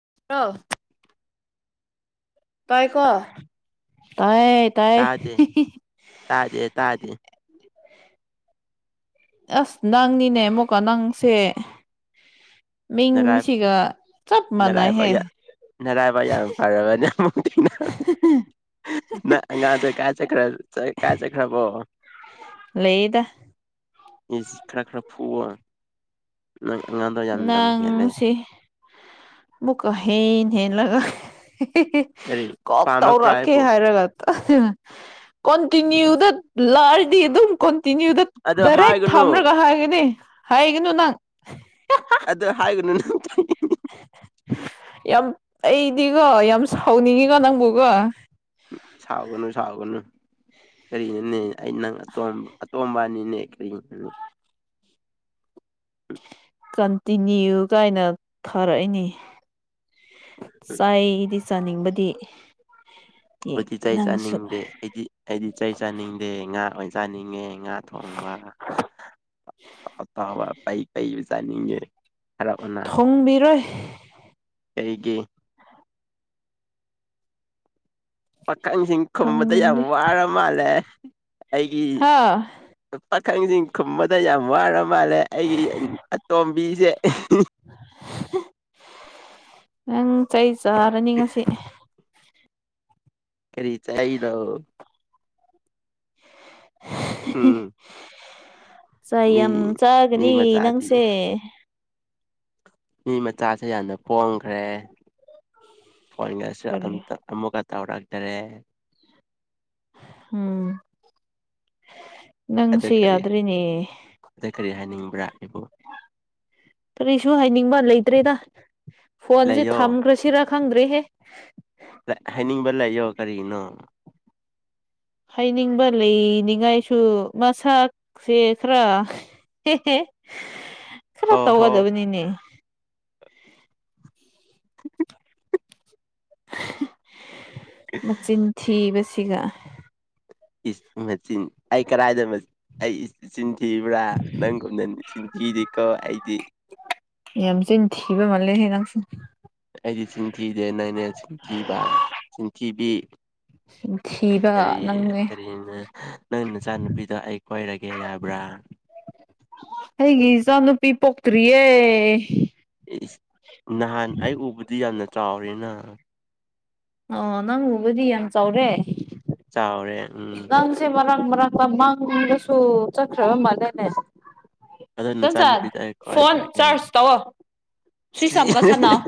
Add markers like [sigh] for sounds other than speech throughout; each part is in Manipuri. [unintelligible] ꯇꯥꯏꯀꯣ ꯇꯥꯑꯦ꯫ ꯇꯥꯗꯦ ꯇꯥꯗꯦ ꯇꯥꯗꯦ꯫ ꯑꯁ ꯅꯪꯅꯤꯅꯦ ꯃꯨꯛꯀ ꯅꯪꯁꯦ ꯃꯤꯡꯁꯤꯒ꯫ ꯆꯞ ꯅꯔꯥꯏꯕꯛ ꯃꯥꯟꯅꯩꯍꯦ ꯌꯥ ꯅꯔꯥꯏꯕꯛ ꯌꯥꯝ ꯐꯔꯕꯅꯦ ꯑꯃꯨꯛ ꯊꯦꯡ [unintelligible] ꯅꯪ ꯑꯉꯥꯡꯗꯣ ꯀꯥꯏ ꯆꯠꯈ꯭ꯔ ꯆꯥ ꯀꯥꯏ ꯆꯠꯈ꯭ꯔꯕꯣ꯫ ꯂꯩꯌꯦꯗ꯫ ꯏꯁ ꯈꯔꯥ ꯈꯔꯥ ꯐꯨꯋꯣ꯫ ꯅꯪ ꯑꯉꯥꯡꯗ ꯅꯪ ꯁꯦ ꯃꯨꯛꯀ ꯍꯦꯟ ꯍꯦꯟꯂꯒ ꯀꯔꯤ [unintelligible] ꯀꯣꯛ ꯄꯥꯝꯂꯛꯄ꯭ꯔꯥ ꯇꯧꯔꯛꯀꯦ ꯑꯩꯕꯨ ꯍꯥꯏꯔꯒ [unintelligible] ꯀꯣꯟꯇꯤꯅ꯭ꯌꯨꯗ ꯂꯥꯛꯔꯗꯤ ꯑꯗꯨꯝ ꯀꯣꯟꯇꯤꯅ꯭ꯌꯨꯗ ꯑꯗꯣ ꯗꯥꯏꯔꯦꯛ ꯍꯥꯏꯒꯅꯨ ꯊꯝꯔꯒ ꯍꯥꯏꯒꯅꯤ ꯍꯥꯏꯒꯅꯨ ꯅꯪ꯫ ꯑꯗꯨ ꯍꯥꯏꯒꯅꯨ ꯅꯪ [unintelligible] ꯌꯥꯝ ꯑꯩꯗꯤꯀꯣ ꯌꯥꯝ ꯁꯥꯎꯅꯤꯡꯉꯤꯀꯣ ꯅꯪꯕꯨꯀꯣ꯫ ꯁꯥꯎꯒꯅꯨ ꯁꯥꯎꯒꯅꯨ꯫ ꯀꯔꯤꯅꯣꯅꯦ ꯑꯩ ꯅꯪ ꯑꯇꯣꯝ ꯑꯇꯣꯝꯕ ꯑꯅꯤꯅꯦ ꯀꯔꯤꯅꯣ꯫ [inaudible] ꯀꯟꯇꯤꯅꯤꯌꯨ ꯀꯥꯏꯅ ꯊꯔꯛꯏꯅꯤ ꯆꯩꯗꯤ ꯆꯥꯅꯤꯡꯕꯗꯤ꯫ ꯑꯣꯏꯗꯤ ꯆꯩ ꯅꯪꯁꯨ ꯆꯥꯅꯤꯡꯗꯦ ꯑꯩꯗꯤ ꯑꯩꯗꯤ ꯆꯩ ꯆꯥꯅꯤꯡꯗꯦ ꯉꯥ ꯑꯣꯏꯅ ꯆꯥꯅꯤꯡꯉꯦ꯫ ꯉꯥ ꯊꯣꯡꯕ ꯑꯇꯥꯎꯕ ꯄꯩ ꯄꯩꯖꯨ ꯆꯥꯅꯤꯡꯉꯦ꯫ ꯍꯔꯑꯣꯅꯥ ꯊꯣꯡꯕꯤꯔꯣꯏ ꯑꯩꯒꯤ ꯄꯥꯈꯪꯖꯤꯡ ꯈꯨꯝꯕꯗ ꯌꯥꯝ ꯊꯣꯡꯅꯤꯡꯗꯦ ꯋꯥꯔ ꯃꯥꯜꯂꯦ ꯑꯩꯒꯤ꯫ ꯍꯥ ꯄꯥꯈꯪꯖꯤꯡ ꯈꯨꯝꯕꯗ ꯌꯥꯝ ꯋꯥꯔ ꯃꯥꯜꯂꯦ ꯑꯩꯒꯤ ꯑꯇꯣꯝꯕꯤꯖꯦ꯫ [unintelligible] [unintelligible] ꯅꯪ ꯆꯩ ꯆꯥꯔꯅꯤ ꯉꯁꯤ꯫ ꯀꯔꯤ ꯆꯥꯏꯅꫭ꯫ ꯎꯝ [unintelligible] ꯆꯥꯏ ꯃꯤ ꯌꯥꯝ ꯃꯤ ꯆꯥꯒꯅꯤ ꯃꯆꯥꯗꯤ ꯅꯪꯁꯦ꯫ ꯃꯤ ꯃꯆꯥꯁꯦ ꯌꯥꯝꯅ ꯄꯣꯡꯈ꯭ꯔꯦ ꯐꯣꯟꯒꯁꯦ ꯀꯔꯤ ꯑꯝꯇ ꯑꯃꯨꯛꯀ ꯇꯧꯔꯛꯇꯔꯦ ꯎꯝ ꯅꯪꯁꯨ ꯌꯥꯗ꯭ꯔꯦꯅꯦ ꯑꯗꯩ ꯀꯔꯤ ꯍꯥꯏꯅꯤꯡꯕ꯭ꯔꯥ ꯑꯩꯕꯨ ꯀꯔꯤꯁꯨ ꯍꯥꯏꯅꯤꯡꯕ ꯂꯩꯇ꯭ꯔꯦꯗ ꯐꯣꯟꯖꯦ ꯂꯩꯌꯣ ꯊꯝꯈ꯭ꯔꯁꯤꯔ ꯈꯪꯗ꯭ꯔꯦꯍꯦ ꯗꯥ ꯍꯥꯏꯅꯤꯡꯕ ꯂꯩꯌꯣ ꯀꯔꯤꯒꯤꯅꯣ ꯍꯥꯏꯅꯤꯡꯕ ꯂꯩꯅꯤꯉꯥꯏꯁꯨ ꯃꯁꯛꯖꯦ ꯈꯔ ꯍꯦ ꯍꯦ ꯈꯔ ꯍꯣ ꯍꯣ ꯇꯧꯒꯗꯕꯅꯤꯅꯦ ꯃꯆꯤꯟ ꯊꯤꯕꯁꯤꯒ ꯏꯁ ꯅꯆꯤꯟ ꯑꯩ ꯀꯔꯥꯏꯗ ꯑꯩ ꯏꯆꯤꯟ ꯊꯤꯕ꯭ꯔꯥ ꯅꯪꯒꯨꯝꯅ ꯅꯆꯤꯟꯊꯤꯗꯦꯀꯣ ꯑꯩꯗꯤ ꯌꯥꯝ ꯆꯤꯟ ꯊꯤꯕ ꯃꯥꯜꯂꯦꯍꯦ ꯅꯪꯁꯨ ꯑꯩꯗꯤ ꯆꯤꯟ ꯊꯤꯗꯦ ꯅꯪꯅꯦ ꯆꯤꯟ ꯊꯤꯕꯥ ꯆꯤꯟꯊꯤꯕꯤ ꯆꯤꯟꯊꯤꯕ ꯀꯔꯤ ꯀꯔꯤꯅ ꯅꯪ ꯅꯆꯥꯅꯨꯄꯤꯗꯣ ꯑꯩ ꯀꯣꯏꯔꯒꯦ ꯌꯥꯕ꯭ꯔ ꯑꯩꯒꯤ ꯏꯆꯥꯅꯨꯄꯤ ꯄꯣꯛꯇ꯭ꯔꯤꯌꯦ ꯏꯁ ꯅꯍꯥꯟ ꯑꯩ ꯎꯕꯗꯤ ꯌꯥꯝꯅ ꯆꯥꯎꯔꯦꯅ ꯑꯣ ꯅꯪ ꯎꯕꯗꯤ ꯌꯥꯝ ꯆꯥꯎꯔꯦ ꯆꯥꯎꯔꯦ ꯎꯝ ꯆꯦ ꯃꯔꯛ ꯃꯔꯛꯇ ꯃꯪꯗꯁꯨ ꯆꯠꯈ꯭ꯔꯕ ꯃꯥꯜꯂꯦꯅꯦ ꯑꯗꯣ ꯏꯟꯗꯣꯝꯆꯥ ꯅꯆꯥꯅꯨꯄꯤꯗꯣ ꯑꯩ ꯐꯣꯟ ꯀꯣꯏꯈ꯭ꯔꯒꯦ ꯆꯥꯔꯖ ꯇꯧꯑꯣ ꯁꯤ ꯁ꯭ꯋꯤꯁ ꯁꯝꯒ ꯁꯥꯅꯥꯎ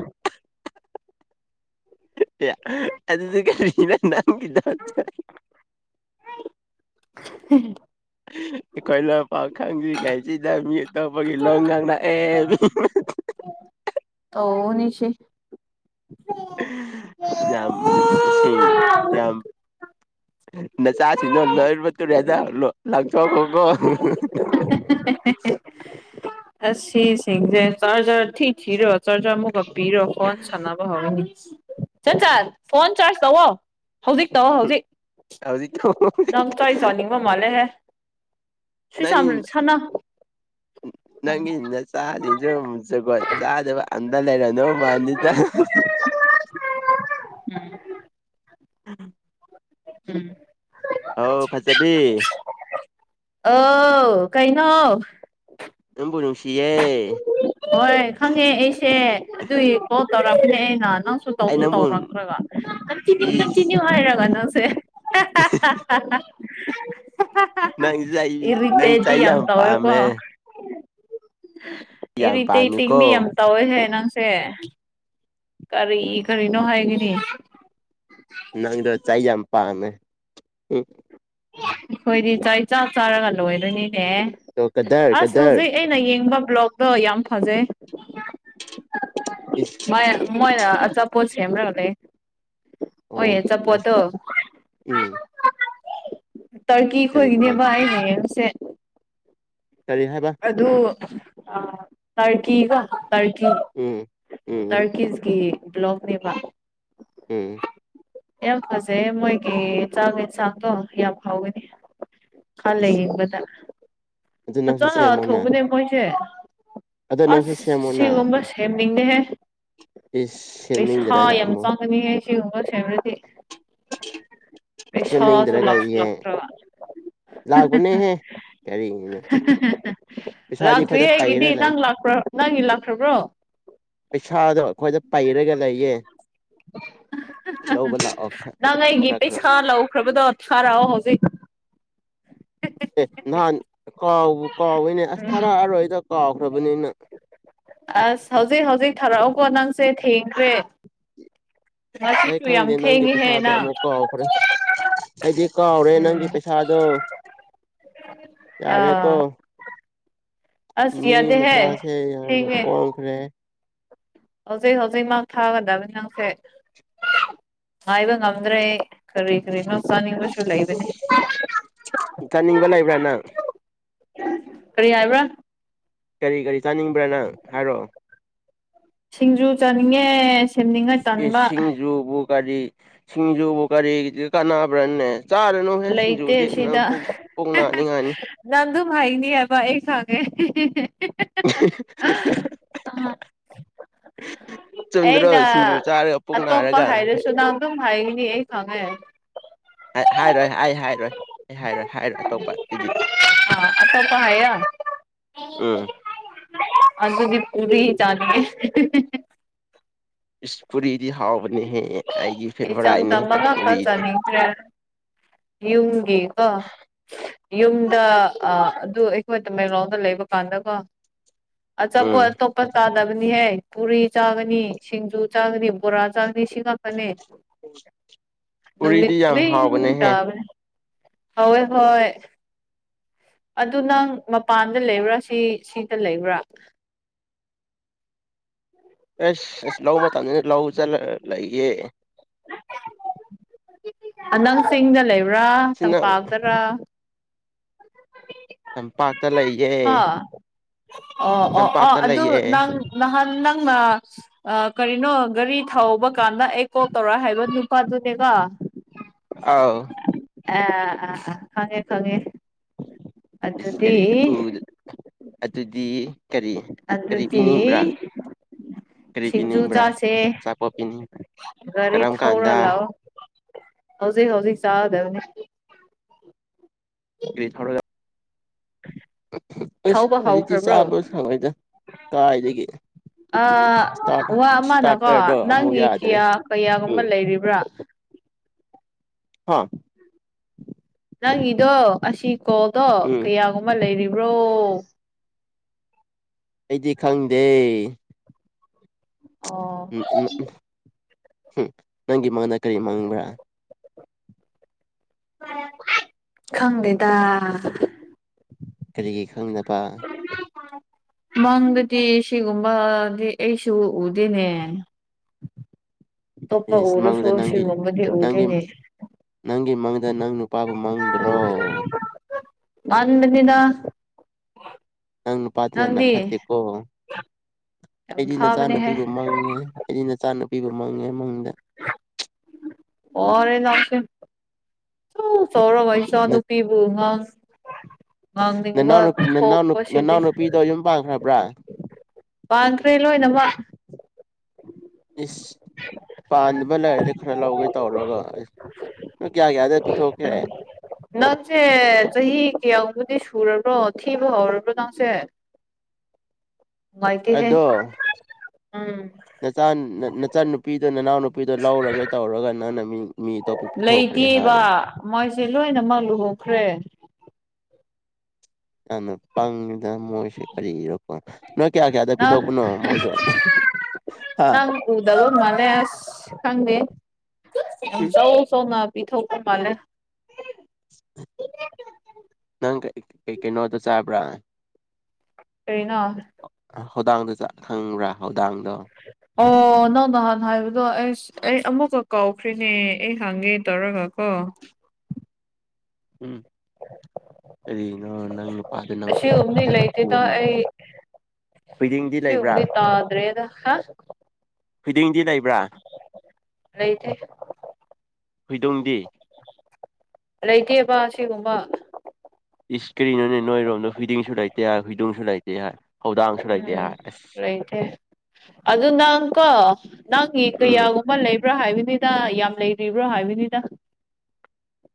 [unintelligible] [unintelligible] ꯑꯩꯈꯣꯏ ꯂꯣꯟ ꯐꯥꯎ ꯈꯪꯗ꯭ꯔꯤꯉꯩꯖꯤꯗ ꯃꯤ ꯑꯇꯣꯞꯄꯒꯤ ꯂꯣꯟ ꯉꯥꯡꯔꯛꯑꯦ ꯑꯣ ꯅꯤꯁꯤ ꯌꯥꯝ ꯏꯁꯤꯡ ꯌꯥꯝ ꯅꯆꯥꯁꯤꯡꯗꯣ ꯂꯣꯏꯅꯕ ꯇꯨꯔꯦꯟꯗ ꯂꯣ ꯂꯪꯊꯣꯛꯈꯣꯀꯣ ꯑꯁꯤꯁꯤꯡꯖꯦ ꯆꯥꯔꯖꯔ ꯊꯤ ꯊꯤꯔꯒ ꯆꯥꯔꯖꯔ ꯑꯃꯨꯛꯀ ꯄꯤꯔ ꯀꯣꯟ ꯁꯥꯟꯅ ꯄꯥ ꯍꯧꯔꯅꯤ ꯆꯟꯆꯟ ꯐꯣꯟ ꯆꯥꯔꯖ ꯇꯧꯋꯣ ꯍꯧꯖꯤꯛ ꯇꯧꯋꯣ ꯍꯧꯖꯤꯛ ꯍꯧꯖꯤꯛ ꯇꯧꯋꯣ ꯍꯧꯖꯤꯛ ꯇꯧꯅꯤꯡꯕ ꯃꯥꯜꯂꯦ ꯍꯦ ꯅꯪꯉꯤ ꯎꯝ ꯅꯪꯒꯤ ꯅꯆꯥꯖꯤꯡꯗꯣ ꯖꯨꯒꯣꯠ ꯆꯥꯗꯕ ꯑꯟꯗ ꯂꯩꯔꯅꯣ ꯃꯥꯟꯅꯤꯗ [inaudible] [inaudible] [inaudible] ꯍꯣ ꯐꯖꯕꯤ ꯑꯣ ꯀꯩꯅꯣ ꯅꯨꯡꯕꯨ ꯅꯨꯡꯁꯤꯌꯦ ꯍꯣꯏ ꯈꯪꯉꯦ ꯑꯩꯁꯦ ꯑꯗꯨꯒꯤ ꯀꯣꯜ ꯇꯧꯔꯛꯄꯅꯦ ꯑꯩꯅ ꯅꯪꯁꯨ ꯑꯩ ꯇꯧꯁꯨ ꯅꯪꯕꯨ ꯇꯧꯔꯛꯇ꯭ꯔꯒ ꯀꯟꯇꯤꯅ꯭ꯌꯨ ꯏꯁ ꯀꯟꯇꯤꯅ꯭ꯌꯨ ꯍꯥꯏꯔꯒ ꯅꯪꯁꯦ [unintelligible] ꯅꯪꯁꯦ ꯑꯩ [unintelligible] ꯅꯪ ꯏꯔꯤꯇꯦꯠꯇꯤ ꯆꯩ ꯌꯥꯝ ꯇꯧꯋꯦꯀꯣ ꯄꯥꯝꯃꯦ ꯌꯥꯝ ꯏꯔꯤꯇꯦꯠꯇꯤꯡꯗꯤ ꯌꯥꯝ ꯄꯥꯝꯃꯦꯀꯣ ꯇꯧꯋꯦꯍꯦ ꯅꯪꯁꯦ ꯀꯔꯤ ꯀꯔꯤꯅꯣ ꯍꯥꯏꯒꯅꯤ ꯅꯪꯗꯣ ꯆꯥꯏ ꯌꯥꯝ ꯄꯥꯝꯃꯦ ꯍꯨꯝ ꯑꯩꯈꯣꯏꯗꯤ ꯆꯥꯏ ꯆꯥꯛ ꯆꯥꯔꯒ ꯂꯣꯏꯔꯅꯤꯅꯦ ꯑꯣ ꯀꯗꯔ ꯑꯁ ꯀꯗꯔ ꯍꯧꯖꯤꯛ ꯑꯩ ꯑꯩꯅ ꯌꯦꯡꯕ ꯕ꯭ꯂꯣꯛꯗꯣ ꯌꯥꯝ ꯐꯖꯩ ꯏꯁ ꯅꯣꯏ ꯃꯣꯏ ꯑ ꯑꯆꯥꯞꯄꯣꯠ ꯁꯦꯝꯔꯒ ꯂꯩꯌꯦ ꯑꯣ ꯇꯥꯏꯁ ꯎꯝ ꯇꯔꯀꯤ ꯀꯔꯤ ꯀꯃꯥꯏ ꯈꯣꯏꯒꯤꯅꯦꯕ ꯑꯩꯅ ꯌꯦꯡꯉꯤꯁꯦ ꯀꯔꯤ ꯍꯥꯏꯕ ꯑꯗꯨ ꯑ ꯇꯔꯀꯤꯒ ꯇꯔꯀꯤ ꯎꯝ ꯎꯝ ꯎꯝ ꯇꯔꯀꯤꯁꯀꯤ ꯕ꯭ꯂꯣꯛꯅꯦꯕ ꯎꯝ ꯌꯥꯝ ꯐꯖꯩꯌꯦ ꯃꯣꯏꯒꯤ ꯆꯥꯛ ꯌꯦꯟꯁꯥꯡ ꯗꯣ ꯌꯥꯝ ꯍꯥꯎꯒꯅꯤ ꯈꯜꯂ ꯏꯁ ꯌꯦꯡꯕꯗ ꯑꯗꯨ ꯅꯪꯁꯨ ꯐꯖꯅ ꯁꯦꯝꯃꯣꯅ ꯊꯣꯡꯕꯅꯦ ꯃꯣꯏꯁꯦ ꯑꯗꯣ ꯑꯁ ꯅꯪꯁꯨ ꯁꯦꯝꯃꯣꯅ ꯁꯤꯒꯨꯝꯕ ꯁꯦꯝꯅꯤꯡꯕꯅꯦ ꯏꯁ ꯄꯩꯁꯥ ꯁꯦꯝꯅꯤꯡꯗ꯭ꯔꯒ ꯌꯥꯝ ꯑꯃꯨꯛ ꯆꯪꯒꯅꯤꯌꯦ ꯁꯤ ꯒꯨꯝꯕ ꯁꯦꯝꯔꯗꯤ ꯄꯩꯁꯥꯁꯨ ꯁꯦꯝꯅꯤꯡꯗ꯭ꯔꯒ ꯌꯦꯡ ꯂꯥꯛꯁꯤꯜꯂꯛꯇ꯭ꯔꯕ ꯂꯥꯛꯄꯅꯦꯍꯦ ꯀꯔꯤꯅꯣ ꯍꯦ ꯍꯦꯍꯦ ꯍꯦ ꯄꯩꯁꯥꯗꯤ ꯑꯩꯈꯣꯏꯗ ꯂꯥꯛꯇ꯭ꯔꯤꯌꯦ ꯄꯩꯔ ꯑꯩꯒꯤꯗꯤ ꯂꯩ ꯅꯪ ꯂꯥꯛꯄ꯭ꯔꯣ ꯅꯪꯒꯤ ꯂꯥꯛꯈ꯭ꯔꯕ꯭ꯔꯣ ꯄꯩꯁꯥꯗꯣ ꯑꯩꯈꯣꯏꯗ ꯄꯩꯔꯒ ꯂꯩꯌꯦ ꯂꯧꯕ ꯂꯥꯛꯑꯣ ꯈꯔ ꯅꯪ ꯑꯩꯒꯤ ꯈꯔ ꯈꯔ ꯄꯩꯁꯥ ꯂꯧꯈ꯭ꯔꯕꯗꯣ ꯊꯥꯔꯛꯑꯣ ꯍꯧꯖꯤꯛ ꯑꯦ ꯅꯍꯥꯟ ꯀꯥꯎꯕꯨ ꯀꯥꯎꯋꯤꯅꯦ ꯑꯁ ꯎꯝ ꯊꯥꯔꯛ ꯑꯔꯣꯏꯗ ꯀꯥꯎꯈ꯭ꯔꯕꯅꯤꯅ ꯑꯁ ꯍꯧꯖꯤꯛ ꯍꯧꯖꯤꯛ ꯊꯥꯔꯛꯑꯣꯀꯣ ꯅꯪꯁꯦ ꯊꯦꯡꯈ꯭ꯔꯦ ꯑꯩ ꯉꯁꯤꯁꯨ ꯌꯥꯝ ꯈꯪꯗꯦ ꯅꯪꯒꯤ ꯊꯦꯡꯉꯤꯍꯦ ꯄꯩꯁꯥꯗꯣ ꯅꯪ ꯑꯃꯨꯛ ꯀꯥꯎꯈ꯭ꯔꯦ ꯑꯩꯗꯤ ꯀꯥꯎꯔꯦ ꯅꯪꯒꯤ ꯎꯝ ꯄꯩꯁꯥꯗꯣ ꯌꯥꯔꯦꯀꯣ ꯑꯥ ꯑꯁ ꯃꯤ ꯌꯥꯗꯦꯍꯦ ꯃꯆꯥꯁꯦ ꯌꯥꯝꯅ ꯊꯦꯡꯉꯦ ꯄꯣꯡꯈ꯭ꯔꯦ ꯍꯧꯖꯤꯛ ꯍꯧꯖꯤꯛ ꯃꯛ ꯊꯥꯒꯗꯕꯅꯤ ꯅꯪꯁꯦ ꯉꯥꯏꯕ ꯉꯝꯗ꯭ꯔꯦꯌꯦ ꯀꯔꯤ ꯀꯔꯤꯅꯣ ꯆꯥꯅꯤꯡꯕꯁꯨ ꯂꯩꯥꯕꯅꯦ ꯆꯥꯅꯤꯡꯕ ꯂꯩꯕ꯭ꯔꯥ ꯅꯪ [unintelligible] ꯀꯔꯤ ꯍꯥꯏꯕ꯭ꯔꯥ ꯀꯔꯤ ꯀꯔꯤ ꯆꯥꯅꯤꯡꯕ꯭ꯔꯥ ꯅꯪ ꯍꯥꯏꯔꯛꯑꯣ ꯁꯤꯡꯖꯨ ꯆꯥꯅꯤꯡꯉꯦ ꯁꯦꯝꯅꯤꯡꯉꯥ ꯇꯟꯕ ꯗꯨꯕꯨ ꯀꯔꯤ ꯁꯤꯡꯖꯨꯕꯨ ꯀꯔꯤ ꯀꯥꯟꯅꯕ꯭ꯔꯅꯦ ꯆꯥꯔꯨꯅꯨ ꯍꯦ ꯂꯩꯇꯦ ꯁꯤꯡꯖꯨꯗꯤ ꯅꯪ ꯁꯤꯗ ꯄꯨꯛ ꯄꯨꯛ ꯅꯥꯅꯤꯡꯉꯥꯏꯅꯤ ꯅꯪ ꯗꯨꯝ ꯍꯥꯏꯅꯤ ꯍꯥꯏꯕ ꯑꯩ ꯈꯪꯉꯦ [unintelligible] ꯆꯨꯝꯗ꯭ꯔꯣ ꯑꯩꯅ ꯁꯤꯡꯖꯨ ꯆꯥꯔ ꯄꯨꯛ ꯅꯥꯔꯒ ꯗꯨꯝ ꯍꯥꯏꯒꯅꯤ ꯑꯩ ꯈꯪꯉꯦ ꯑꯦ ꯍꯥꯏꯔꯣꯏ ꯑꯩ ꯍꯥꯏꯔꯣꯏ ꯑꯩ ꯍꯥꯏꯔꯣꯏ ꯍꯥꯏꯔꯣꯏ ꯑꯥ ꯑꯇꯣꯞꯄ ꯍꯥꯏ ꯌꯥ ꯎꯝ ꯑꯗꯨꯗꯤ ꯄꯨꯔꯤ ꯆꯥꯅꯤꯡꯉꯦ ꯏꯁ ꯄꯨꯨꯔꯤꯗꯤ ꯍꯥꯎꯕꯅꯤꯍꯦ ꯏꯆꯝ ꯆꯝꯕ ꯉꯥꯛꯇ ꯆꯥꯅꯤꯡꯈ꯭ꯔꯦ ꯌꯨꯝꯒꯤ ꯀꯣ ꯌꯨꯝꯗ ꯑꯥ ꯑꯗꯨ ꯑꯩꯈꯣꯏ ꯇꯃꯦꯡꯂꯣꯡꯗ ꯂꯩꯕ ꯀꯥꯟꯗꯀꯣ ꯎꯝ ꯑꯆꯥꯄꯣꯠ ꯑꯇꯣꯞ ꯄ ꯇꯥꯅꯕꯅꯤꯍꯦ ꯄꯨꯔꯤ ꯆꯥꯒꯅꯤ ꯁꯤꯡꯖꯨ ꯆꯥꯒꯅꯤ ꯕꯣꯔꯥ ꯆꯥꯒꯅꯤ ꯁꯤ ꯉꯥꯠꯇꯅꯦ [inaudible] ꯄꯨꯔꯤꯗꯤ ꯅꯨꯃꯤꯠ ꯌꯥꯝ ꯈꯨꯗꯤꯡ ꯍꯥꯎꯕꯅꯦꯍꯦ ꯇꯥꯕꯅꯦ ꯍꯣꯏ ꯍꯣꯏ ꯑꯗꯨ ꯅꯪ ꯃꯄꯥꯟꯗ ꯂꯩꯕ꯭ꯔꯥ ꯁꯤ ꯁꯤꯗ ꯂꯩꯕ꯭ꯔꯥ ꯑꯁ ꯑꯁ ꯂꯧ ꯃꯇꯝꯅꯤꯅ ꯂꯧ ꯆꯂ ꯂꯩꯌꯦ ꯑ ꯅꯪ ꯆꯤꯡꯗ ꯂꯩꯕ꯭ꯔꯥ ꯁꯤꯅ ꯇꯝꯄꯥꯛꯇꯔꯥ ꯇꯝꯄꯥꯛꯇ ꯂꯩ ꯍꯥ ꯑꯣ ꯑꯣ ꯑꯣ ꯇꯝꯄꯥꯛꯇ ꯑꯗꯨ ꯂꯩꯌꯦ ꯅꯪ ꯅꯍꯥꯟ ꯅꯪꯅ ꯑꯥ ꯀꯔꯤꯅꯣ ꯒꯔꯤ ꯊꯧꯕ ꯀꯥꯟꯗ ꯑꯩ ꯀꯣꯜ ꯇꯧꯔꯣ ꯍꯥꯏꯕ ꯅꯨꯄꯥꯗꯨꯅꯦꯀꯣ [inaudible] ꯑꯥꯎ ꯑꯥ ꯑꯥ ꯑꯥ ꯈꯪꯉꯦ ꯈꯪꯉꯦ ꯏꯁ ꯑꯗꯨꯗꯤ ꯀꯔꯤꯒ ꯎ ꯑꯗꯨꯗꯤ ꯀꯔꯤ ꯀꯔꯤ ꯑꯗꯨꯗꯤ ꯄꯤꯅꯤꯡꯕ꯭ꯔꯥ ꯀꯔꯤ ꯁꯤꯡꯖꯨ ꯄꯤꯅꯤꯡꯕ꯭ꯔꯥ ꯆꯥꯁꯦ ꯑꯆꯥꯄꯣꯠ ꯄꯤꯅꯤꯡꯕ꯭ꯔꯥ ꯒꯥꯔꯤ ꯀꯔꯝ ꯀꯥꯟꯗ ꯊꯧꯔ ꯂꯥꯛꯑꯣ ꯍꯧꯖꯤꯛ ꯍꯧꯖꯤꯛ ꯆꯥꯒꯗꯕꯅꯤ ꯒꯔꯤ ꯊꯧꯔ ꯑꯁ ꯊꯧꯕ ꯍꯧꯖꯤꯛꯇꯤ ꯍꯧꯈ꯭ꯔꯕ꯭ꯔꯣ ꯆꯥꯕ ꯁꯪꯉꯣꯏꯗ ꯀꯥꯏꯗꯒꯤ ꯑꯥ ꯏꯁꯇꯥꯔ ꯋꯥ ꯑꯃꯅꯀꯣ ꯏꯁꯇꯥꯔꯇꯔꯗꯣ ꯑꯃꯨꯛ ꯅꯪꯒꯤ ꯀꯤꯌꯥ ꯀꯩꯌꯥꯒꯨꯝꯕ ꯂꯩꯔꯤꯕ꯭ꯔꯥ ꯍꯥꯥ ꯅꯪꯒꯤꯗꯣ ꯑꯁꯤ ꯀꯣꯜꯗꯣ ꯎꯝ ꯀꯌꯥꯒꯨꯝꯃ ꯂꯩꯔꯤꯕ꯭ꯔꯣ ꯑꯩꯗꯤ ꯈꯪꯗꯦ ꯑꯣ ꯎꯝ ꯎꯝ [unintelligible] ꯅꯪꯒꯤ ꯃꯪꯗ ꯀꯔꯤ ꯃꯪꯕ꯭ꯔꯥ ꯈꯪꯗꯦꯗꯥ ꯀꯔꯤꯒꯤ ꯈꯪꯗꯕꯥ ꯃꯪꯗꯗꯤ ꯁꯤꯒꯨꯝꯕꯥꯗꯤ ꯑꯩꯁꯨ ꯎꯗꯦꯅꯦ ꯇꯣꯞꯄ ꯏꯁ ꯎꯔꯁꯨ ꯃꯪꯗ ꯅꯪꯒꯤ ꯑꯁꯤꯒꯨꯝꯕꯗꯤ ꯅꯪꯒꯤ ꯎꯗꯦꯅꯦ ꯅꯪꯒꯤ ꯃꯪꯗ ꯅꯪ ꯅꯨꯄꯥꯕꯨ ꯃꯪꯗ꯭ꯔꯣ ꯃꯥꯥꯟꯕꯅꯤꯗꯥ ꯅꯪ ꯅꯨꯄꯥꯗꯤ ꯌꯥꯝꯅ ꯐꯠꯇꯦꯀꯣ ꯌꯥꯝ ꯑꯩꯗꯤ ꯐꯥꯕꯅꯦꯍꯦ ꯅꯆꯥꯅꯨꯄꯤꯕꯨ ꯃꯪꯉꯦ ꯑꯩꯗꯤ ꯅꯆꯥꯅꯄꯤꯕꯨ ꯃꯪꯉꯦ ꯃꯪꯗ ꯋꯥꯔꯦ ꯅꯡꯁꯦ ꯗꯨꯛ ꯆꯥꯎꯔꯒ ꯏꯆꯥꯅꯨꯄꯤꯕꯨ ꯉꯥꯡ ꯉꯥꯡꯅꯤꯡꯕ ꯅꯅꯥꯎꯅꯨꯞ ꯅꯅꯥꯎꯅꯨꯞ ꯊꯣꯛꯄꯁꯤꯗꯤ ꯅꯅꯥꯎ ꯅꯨꯄꯤꯗꯣ ꯌꯨꯝ ꯄꯥꯟꯈ꯭ꯔꯕ꯭ꯔꯥ ꯄꯥꯡꯈ꯭ꯔꯦ ꯂꯣꯏꯅꯃꯛ ꯏꯁ ꯄꯥꯟꯗꯕ ꯂꯩꯔꯗꯤ ꯈꯔ ꯂꯧꯒꯦ ꯇꯧꯔꯒ ꯑꯁ ꯅꯣꯏ ꯀꯌꯥ ꯀꯌꯥꯗ ꯄꯤꯊꯣꯛꯈ꯭ꯔꯦ ꯅꯟꯁꯦ ꯆꯍꯤ ꯀꯌꯥꯕꯨꯗꯤ ꯁꯨꯔꯕ꯭ꯔꯣ ꯊꯤꯕ ꯍꯧꯔꯕ꯭ꯔꯣ ꯅꯪꯁꯦ ꯅꯨꯡꯉꯥꯏꯇꯦꯍꯦ ꯎꯝ ꯅꯆꯥꯟ ꯅꯆꯟꯅꯨꯨꯄꯤꯗꯣ ꯅꯅꯥꯎꯅꯨꯄꯤꯗꯣ ꯂꯧꯔꯒꯦ ꯇꯧꯔꯒ ꯅꯪꯅ ꯃꯤ ꯃꯤ ꯑꯇꯣꯞꯄ ꯄꯤꯊꯣꯛꯈ꯭ꯔꯦ ꯂꯩꯇꯦꯕ ꯍꯥꯏꯌꯦ ꯃꯣꯏꯁꯦ ꯂꯣꯏꯅꯃꯛ ꯂꯨꯍꯣꯡꯈ꯭ꯔꯦ ꯌꯥꯝꯅ ꯄꯪꯉꯤꯗ ꯃꯣꯏꯁꯦ ꯀꯔꯤꯔꯣ ꯅꯣꯏ ꯀꯌꯥ ꯀꯌꯥꯗ ꯅꯪ ꯄꯤꯊꯣꯛꯄꯅꯣ ꯃꯣꯏꯗꯣ ꯍꯥ ꯎꯗꯕꯃꯥꯜꯂꯦ ꯑꯁ ꯈꯪꯗꯦ ꯌꯝ ꯎꯝ ꯆꯧꯆꯧꯉꯥꯛ ꯄꯤꯊꯣꯛꯄ ꯃꯥꯜꯂꯦ ꯅꯪ ꯀꯩꯀꯩ ꯀꯩꯅꯣꯗꯣ ꯆꯥꯕ꯭ꯔ ꯀꯔꯤꯅꯣ ꯍꯧꯗꯥꯡꯗꯣ ꯈꯪꯕ꯭ꯔ ꯍꯧꯗꯥꯡꯗꯣ ꯑꯣ ꯅꯪ ꯅꯍꯥꯟ ꯍꯥꯏꯕꯗꯣ ꯑꯩꯁ ꯑꯩ ꯑꯃꯨꯛꯀ ꯀꯥꯎꯈ꯭ꯔꯦꯅꯦ ꯑꯩ ꯍꯪꯒꯦ ꯇꯧꯔꯒꯀꯣ ꯎꯝ [inaudible] ꯀꯔꯤꯅꯣ ꯅꯪ ꯅꯨꯄꯥꯗꯣ ꯅꯪꯕꯨ ꯌꯥꯝ ꯑꯁꯤꯒꯨꯝꯕꯗꯤ ꯐꯖꯅ ꯐꯨꯕ ꯂꯩꯇꯦꯗ ꯃꯥꯜꯂꯦ ꯑꯩ ꯍꯨꯏꯗꯤꯡꯗꯤ ꯑꯁꯤꯒꯨꯝꯕꯗꯤ ꯇꯥꯗ꯭ꯔꯦꯗ ꯍꯥ ꯊꯣꯏꯗꯤꯡꯗꯤ ꯂꯩꯕ꯭ꯔ ꯂꯩꯇꯦ ꯊꯣꯏꯗꯤꯡꯗꯤ ꯂꯩꯇꯦꯕ ꯑꯁꯤꯒꯨꯝꯕ ꯏꯁ ꯀꯔꯤꯅꯣꯅꯦ ꯅꯣꯏꯔꯣꯝꯗ ꯍꯨꯏꯗꯤꯡꯁꯨ ꯂꯩꯇꯦ ꯍꯥꯏ ꯍꯨꯏꯗꯣꯡꯁꯨ ꯂꯩꯇꯦ ꯍꯥꯏ ꯍꯧꯗꯥꯡꯁꯨ ꯂꯩꯇꯦ ꯎꯝ ꯍꯥꯏ ꯑꯁ ꯂꯩꯇꯦ ꯑꯗꯨ ꯅꯪ ꯀꯣ ꯅꯪꯒꯤ ꯎꯝ ꯀꯌꯥꯒꯨꯝ ꯑꯃ ꯂꯩꯕ꯭ꯔꯥ ꯍꯥꯏꯕꯅꯤꯗ ꯌꯥꯝ ꯂꯩꯕꯤꯕ꯭ꯔꯣ ꯍꯥꯏꯕꯅꯤꯗ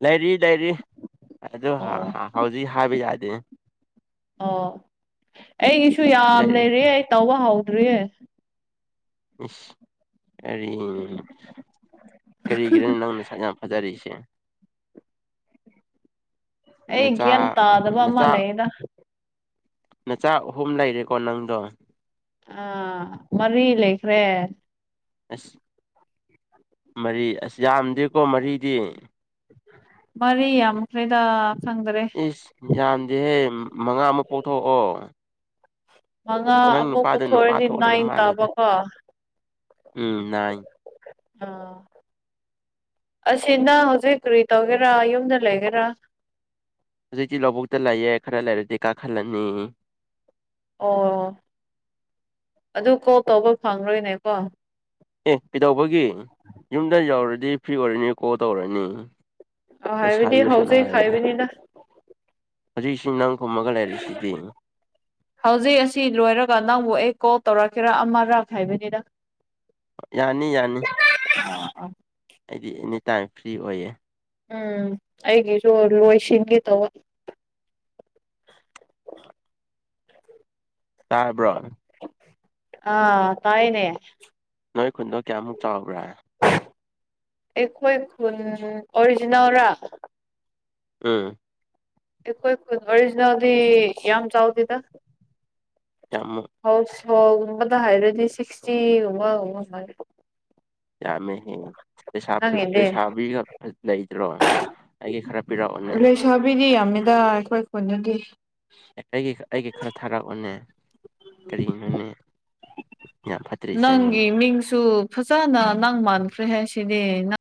ꯂꯩꯔꯤ ꯂꯩꯔꯤ ꯑꯗꯨ ꯑꯣ ꯍꯧꯖꯤꯛ ꯍꯥꯏꯕ ꯌꯥꯗꯦꯅ ꯑꯣ ꯑꯩꯒꯤꯁꯨ ꯌꯥꯝ ꯂꯩꯔꯤ ꯂꯩꯔꯤꯌꯦ ꯇꯧꯕ ꯍꯧꯗ꯭ꯔꯤꯌꯦ ꯏꯁ ꯀꯔꯤ ꯀꯔꯤꯒꯤꯔꯅꯦ ꯅꯪ ꯅꯁꯛ ꯌꯥꯝ ꯐꯖꯔꯤꯁꯦ ꯅꯆꯥ ꯅꯆꯥ ꯈꯪꯗꯦꯗ ꯅꯆꯥ ꯑꯍꯨꯝ ꯂꯩꯔꯦꯀꯣ ꯅꯪꯗꯣ ꯑꯥ ꯃꯔꯤ ꯂꯩꯈ꯭ꯔꯦ ꯑꯁ ꯃꯔꯤ ꯑꯁ ꯌꯥꯝꯗꯦꯀꯣ ꯃꯔꯤꯗꯤ ꯃꯔꯤ ꯌꯥꯝꯈ꯭ꯔꯦꯗ ꯈꯪꯗ꯭ꯔꯦ ꯏꯁ ꯌꯥꯝꯗꯦꯍꯦ ꯃꯉꯥ ꯃꯨꯛ ꯄꯣꯛꯊꯣꯛꯑꯣ ꯃꯉꯥ ꯅꯪ ꯑꯃꯨꯛ ꯅꯨꯄꯥꯗ ꯅꯨꯄꯥ ꯄꯨꯊꯣꯛꯑꯗꯤ ꯊꯣꯛꯇꯕ ꯅꯥꯏꯟ ꯃꯥꯜꯂꯦꯗ ꯇꯥꯕꯀꯣ ꯎꯝ ꯅꯥꯏ ꯑꯥ ꯑꯁꯤꯗ ꯍꯧꯖꯤꯛ ꯀꯔꯤ ꯇꯧꯒꯦꯔꯥ ꯌꯨꯝꯗ ꯂꯩꯒꯦꯔꯥ ꯍꯧꯖꯤꯛꯇꯤ ꯂꯧꯕꯨꯛꯇ ꯂꯩꯌꯦ ꯈꯔ ꯂꯩꯔꯗꯤ ꯀꯥꯈꯠꯂꯅꯤ ꯑꯣ ꯑꯗꯨ ꯀꯣꯜ ꯇꯧꯕ ꯐꯪꯔꯣꯏꯅꯦꯀꯣ ꯑꯦ ꯀꯩꯗꯧꯕꯒꯤ ꯌꯨꯝꯗ ꯌꯧꯔꯗꯤ ꯐ꯭ꯔꯤ ꯑꯣꯏꯔꯅꯤ ꯀꯣꯜ ꯇꯧꯔꯅꯤ ꯑꯥ ꯍꯥꯏꯕꯗꯤ ꯂꯩꯁꯥꯕꯤꯕꯨ ꯍꯧꯖꯤꯛ ꯁꯥꯟꯅꯔꯅꯤ ꯍꯥꯏꯕꯅꯤꯗ ꯍꯧꯖꯤꯛꯁꯤ ꯅꯪ ꯍꯨꯝꯃꯒꯥ ꯂꯩꯔꯤꯁꯤꯗꯤ ꯍꯧꯖꯤꯛ ꯑꯁꯤ ꯂꯣꯏꯔꯒ ꯅꯪꯕꯨ ꯑꯩꯀꯣꯜ ꯇꯧꯔꯛꯀꯦꯔꯥ ꯑꯃꯔꯥꯥꯛ ꯍꯥꯏꯕꯅꯤꯗ [inaudible] ꯌꯥꯅꯤ ꯌꯥꯅꯤ ꯑꯥ ꯑꯥ ꯑꯩꯗꯤ ꯑꯦꯅꯤ ꯇꯥꯏꯝ ꯐ꯭ꯔꯤ ꯑꯣꯏꯌꯦ ꯎꯝ ꯑꯩꯒꯤꯁꯨ ꯂꯣꯏꯁꯤꯟꯒꯦ ꯇꯧꯕ ꯇꯥꯔꯕ꯭ꯔꯣ ꯑꯥ ꯇꯥꯏꯌꯦꯅꯦ ꯅꯣꯏ ꯈꯨꯟꯗꯣ ꯀꯌꯥꯃꯨꯛ ꯆꯥꯎꯕ꯭ꯔꯥ ꯑꯩꯈꯣꯏ ꯈꯨꯟ ꯑꯣꯔꯤꯖꯤꯅꯦꯜꯔꯥ ꯑꯝ ꯑꯩꯈꯣꯏ ꯈꯨꯟ ꯑꯣꯔꯤꯖꯤꯅꯦꯜꯗꯤ ꯌꯥꯝ ꯆꯥꯎꯗꯦꯗ ꯀ꯭ꯌꯥꯃꯨꯛ ꯍꯥꯎꯁꯍꯣꯜꯒꯨꯝꯕꯗ ꯍꯥꯏꯔꯗꯤ ꯁꯤꯛꯁꯇꯤꯒꯨꯝꯕ [unintelligible] ꯌꯥꯝꯃꯦ ꯍꯦ ꯂꯩꯩꯁꯥ ꯅꯪꯒꯤꯗꯤ ꯂꯩꯁꯥꯕꯤꯒ ꯂꯩꯇ꯭ꯔꯣ ꯑꯩꯒꯤ ꯈꯔ ꯄꯤꯔꯛꯑꯣꯅꯦ ꯂꯩꯁꯥꯕꯤꯗꯤ ꯌꯥꯝꯃꯤꯗ ꯑꯩꯈꯣꯏ ꯈꯨꯟꯗꯗꯤ ꯑꯩꯒꯤ ꯑꯩꯒꯤ ꯈ꯭ꯔ ꯊꯥꯔꯛꯑꯣꯅꯦ ꯀꯔꯤꯒꯤꯅꯣꯅꯦ ꯌꯥꯝ ꯐꯠꯇ꯭ꯔꯤꯁꯤꯅ ꯅꯪꯒꯤ ꯃꯤꯡꯁꯨ ꯐꯖꯅ ꯅꯪ ꯃꯥꯟꯈ꯭ꯔꯦ ꯍꯥꯏꯁꯤꯗꯤ ꯅꯪ